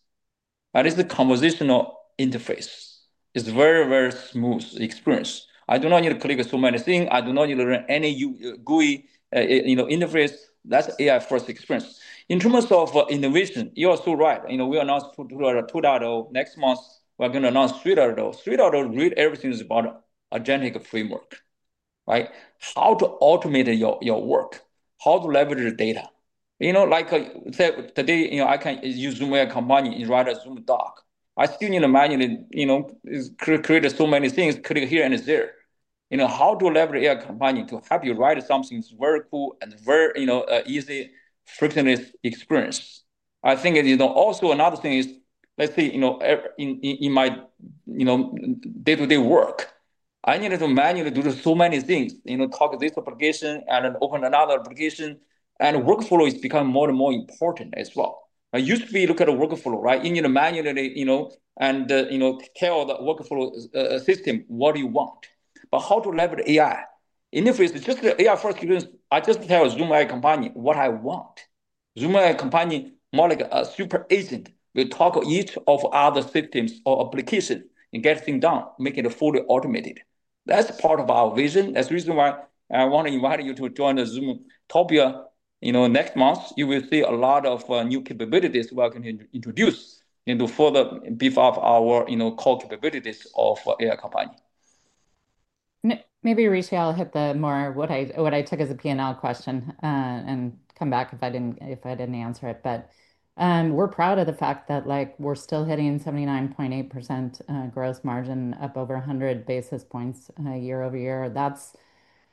It's a conversational interface. It's a very, very smooth experience. I do not need to click so many things. I do not need to learn any GUI interface. That's an AI-first experience. In terms of innovation, you are so right. We announced 2.0 next month. We're going to announce 3.0. 3.0 really, everything is about agentic framework, right? How to automate your work, how to leverage the data. Like I said today, I can use Zoom AI Companion and write a Zoom Doc. I still need to manually create so many things, click here and there. How to leverage AI Companion to help you write something that's very cool and very easy, frictionless experience. I think also another thing is, let's say, in my day-to-day work, I needed to manually do so many things, copy this application and then open another application. Workflow has become more and more important as well. I used to be looking at workflow, right? You need to manually tell the workflow system what you want. How to leverage AI? If it's just an AI-first experience, I just tell Zoom AI Companion what I want. Zoom AI Companion, more like a super agent, will talk to each of the other systems or applications and get things done, making it fully automated. That's part of our vision. That's the reason why I want to invite you to join Zoomtopia. Next month, you will see a lot of new capabilities we're going to introduce to further beef up our core capabilities of AI Companion. Maybe Rishi will hit the more what I took as a P&L question and come back if I didn't answer it. We're proud of the fact that we're still hitting 79.8% gross margin, up over 100 basis points year-over-year. That's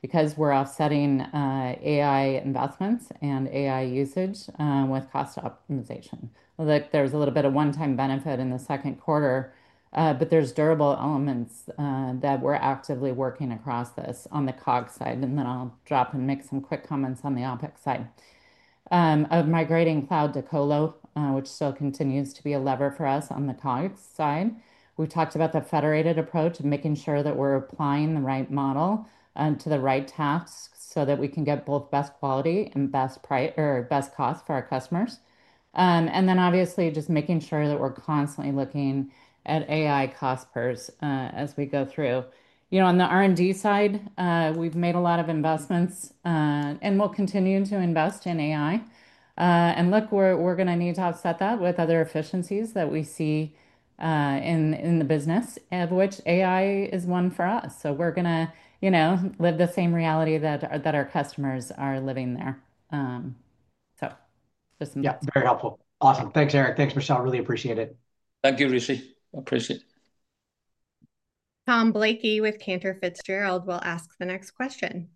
because we're offsetting AI investments and AI usage with cost optimization. There's a little bit of one-time benefit in the second quarter, but there are durable elements that we're actively working across this on the COG side. I'll drop and make some quick comments on the OpEx side. Migrating cloud to colo still continues to be a lever for us on the COG side. We've talked about the federated approach and making sure that we're applying the right model to the right tasks so that we can get both best quality and best price or best cost for our customers. Obviously, just making sure that we're constantly looking at AI cost perks as we go through. On the R&D side, we've made a lot of investments and will continue to invest in AI. We're going to need to offset that with other efficiencies that we see in the business, of which AI is one for us. We're going to live the same reality that our customers are living there. Yeah, very helpful. Awesome. Thanks, Eric. Thanks, Michelle. Really appreciate it. Thank you, Rishi. I appreciate it. Tom Blakey with Cantor Fitzgerald will ask the next question.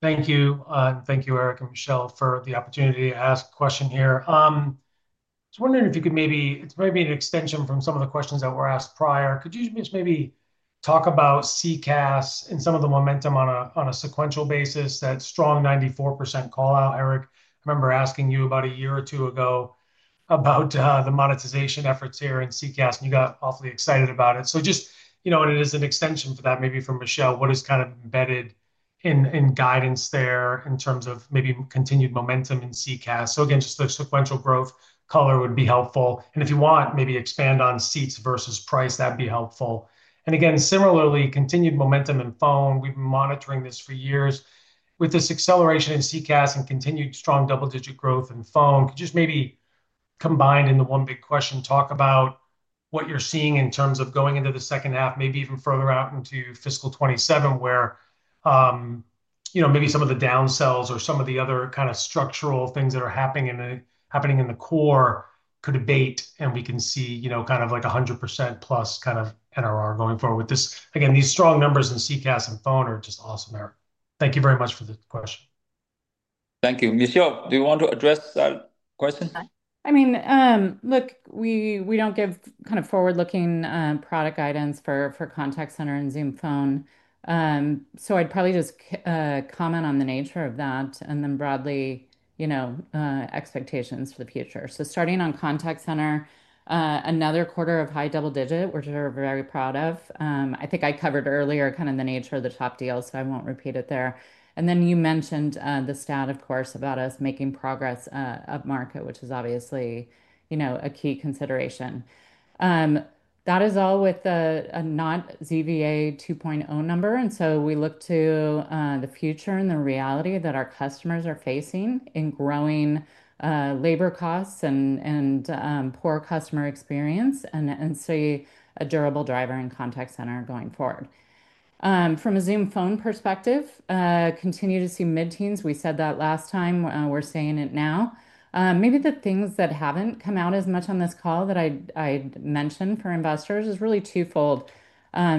Thank you. Thank you, Eric and Michelle, for the opportunity to ask a question here. I was wondering if you could maybe, it's maybe an extension from some of the questions that were asked prior. Could you just maybe talk about CCaaS and some of the momentum on a sequential basis? That strong 94% call out, Eric. I remember asking you about a year or two ago about the monetization efforts here in CCaaS, and you got awfully excited about it. Just, you know, and it is an extension for that, maybe from Michelle, what is kind of embedded in guidance there in terms of maybe continued momentum in CCaaS? Again, just the sequential growth color would be helpful. If you want, maybe expand on seats versus price, that'd be helpful. Similarly, continued momentum in phone. We've been monitoring this for years. With this acceleration in CCaaS and continued strong double-digit growth in phone, could you just maybe combine in the one big question, talk about what you're seeing in terms of going into the second half, maybe even further out into fiscal 2027, where you know, maybe some of the downsells or some of the other kind of structural things that are happening in the core could abate, and we can see, you know, kind of like 100% plus kind of NRR going forward with this. Again, these strong numbers in CCaaS and phone are just awesome, Eric. Thank you very much for this question. Thank you. Michelle, do you want to address that question? I mean, look, we don't give kind of forward-looking product guidance for contact center and Zoom Phone. I'd probably just comment on the nature of that and then broadly, you know, expectations for the future. Starting on contact center, another quarter of high double digit, which we're very proud of. I think I covered earlier kind of the nature of the top deal, so I won't repeat it there. You mentioned the stat, of course, about us making progress up market, which is obviously, you know, a key consideration. That is all with a not ZVA 2.0 number. We look to the future and the reality that our customers are facing in growing labor costs and poor customer experience and stay a durable driver in contact center going forward. From a Zoom Phone perspective, continue to see mid-teens. We said that last time. We're saying it now. Maybe the things that haven't come out as much on this call that I mentioned for investors is really twofold.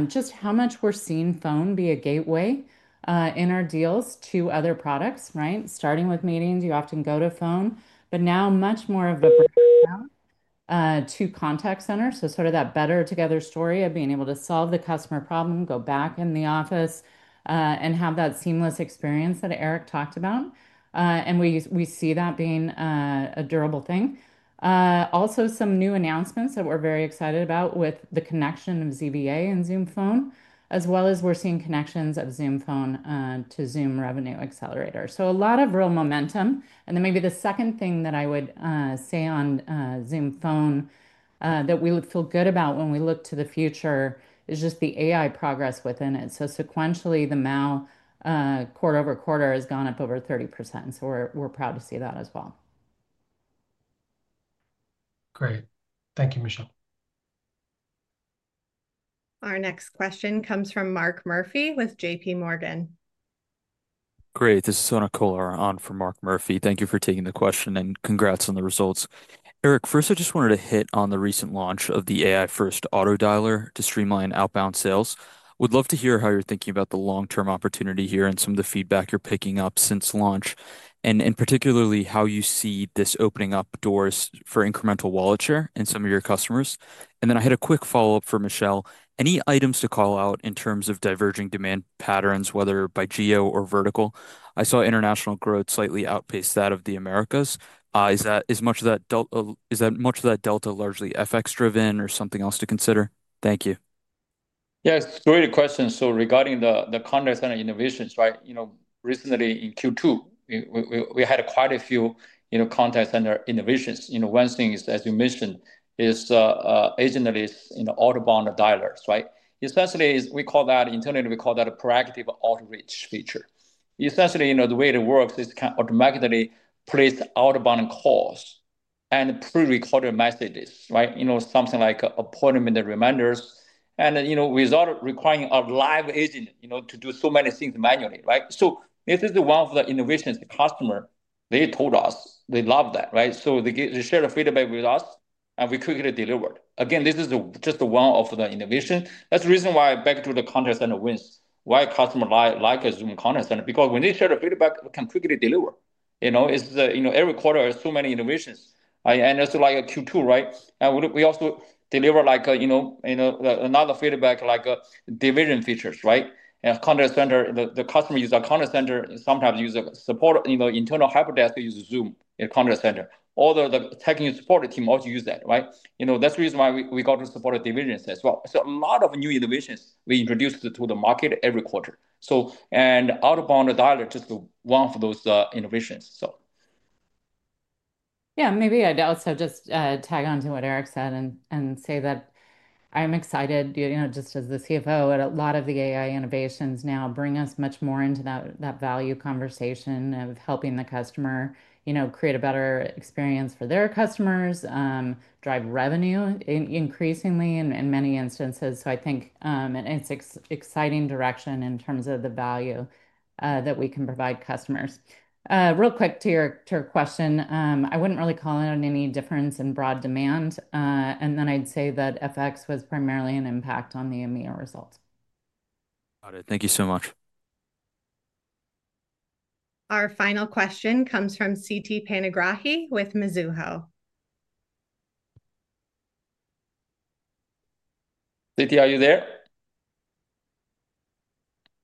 Just how much we're seeing phone be a gateway in our deals to other products, right? Starting with meetings, you often go to phone, but now much more of a breakdown to contact center. Sort of that better together story of being able to solve the customer problem, go back in the office, and have that seamless experience that Eric talked about. We see that being a durable thing. Also, some new announcements that we're very excited about with the connection of ZVA and Zoom Phone, as well as we're seeing connections of Zoom Phone to Zoom Revenue Accelerator. A lot of real momentum. Maybe the second thing that I would say on Zoom Phone that we would feel good about when we look to the future is just the AI progress within it. Sequentially, the MAO quarter over quarter has gone up over 30%. We're proud to see that as well. Great. Thank you, Michelle. Our next question comes from Mark Murphy with JPMorgan. Great. This is Sonam Khare on for Mark Murphy. Thank you for taking the question and congrats on the results. Eric, first I just wanted to hit on the recent launch of the AI-first auto-dialer to streamline outbound sales. Would love to hear how you're thinking about the long-term opportunity here and some of the feedback you're picking up since launch, particularly how you see this opening up doors for incremental wallet share in some of your customers. I had a quick follow-up for Michelle. Any items to call out in terms of diverging demand patterns, whether by geo or vertical? I saw international growth slightly outpace that of the Americas. Is that much of that delta largely FX-driven or something else to consider? Thank you. Yeah, it's a great question. Regarding the contact center innovations, recently in Q2, we had quite a few contact center innovations. One thing is, as you mentioned, agent lists in the outbound dialers. Internally, we call that a proactive outreach feature. Essentially, the way it works is it can automatically place outbound calls and pre-recorded messages, something like appointment reminders, without requiring a live agent to do so many things manually. This is one of the innovations the customer told us they love. They shared the feedback with us, and we quickly delivered. This is just one of the innovations. That's the reason why, back to the contact center wins, customers like Zoom Contact Center, because when they share the feedback, we can quickly deliver. Every quarter has so many innovations. In Q2, we also delivered another feedback like division features. In contact center, the customer uses a contact center, sometimes uses support, internal hyper desk to use Zoom Contact Center. The technical support team also uses that. That's the reason why we go to support the divisions as well. A lot of new innovations we introduced to the market every quarter, and outbound dialer is just one of those innovations. Yeah, maybe I'd also just tag on to what Eric said and say that I'm excited, you know, just as the CFO, that a lot of the AI innovations now bring us much more into that value conversation of helping the customer, you know, create a better experience for their customers, drive revenue increasingly in many instances. I think it's an exciting direction in terms of the value that we can provide customers. Real quick to your question, I wouldn't really call out any difference in broad demand. I'd say that FX was primarily an impact on the EMEA results. Got it. Thank you so much. Our final question comes from Siti Panigrahi with Mizuho. Siti, are you there?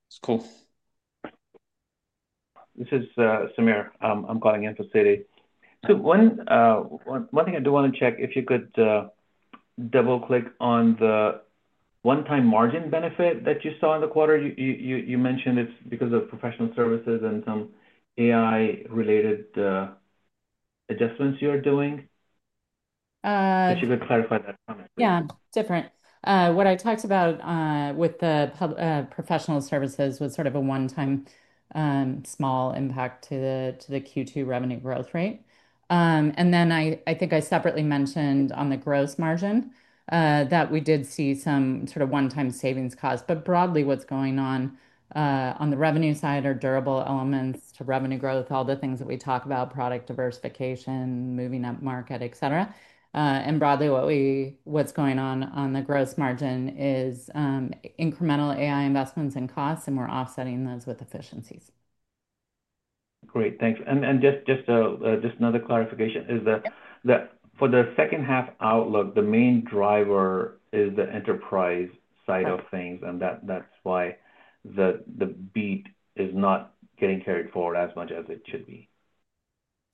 It's cool. This is Samir. I'm calling in from Siti. One thing I do want to check, if you could double-click on the one-time margin benefit that you saw in the quarter. You mentioned it's because of professional services and some AI-related adjustments you're doing. If you could clarify that. Yeah, different. What I talked about with the professional services was sort of a one-time small impact to the Q2 revenue growth rate. I think I separately mentioned on the gross margin that we did see some sort of one-time savings costs. Broadly, what's going on on the revenue side are durable elements to revenue growth, all the things that we talk about, product diversification, moving up market, etc. Broadly, what's going on on the gross margin is incremental AI investments and costs, and we're offsetting those with efficiencies. Great, thanks. Just another clarification is that for the second half outlook, the main driver is the enterprise side of things, and that's why the beat is not getting carried forward as much as it should be.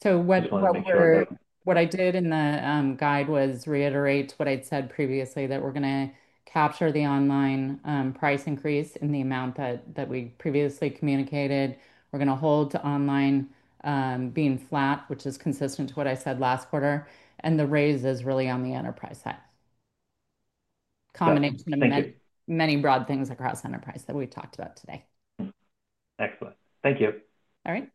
What I did in the guide was reiterate what I'd said previously, that we're going to capture the online price increase in the amount that we previously communicated. We're going to hold to online being flat, which is consistent to what I said last quarter. The raise is really on the enterprise side, a combination of many broad things across enterprise that we've talked about today. Excellent. Thank you. All right.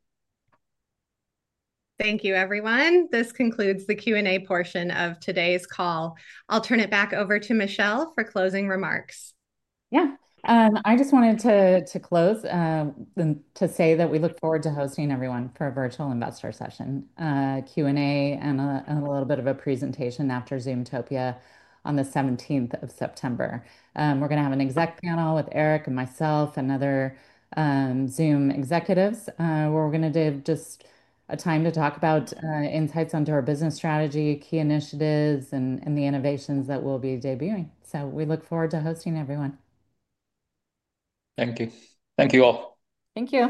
Thank you, everyone. This concludes the Q&A portion of today's call. I'll turn it back over to Michelle for closing remarks. I just wanted to close and to say that we look forward to hosting everyone for a virtual investor session, Q&A, and a little bit of a presentation after Zoomtopia on the 17th of September. We're going to have an exec panel with Eric and myself and other Zoom executives, where we're going to do just a time to talk about insights onto our business strategy, key initiatives, and the innovations that we'll be debuting. We look forward to hosting everyone. Thank you. Thank you all. Thank you.